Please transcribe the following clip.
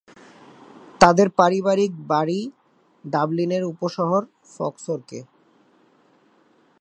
তাদের পারিবারিক বাড়ি ডাবলিনের উপশহর ফক্সরকে।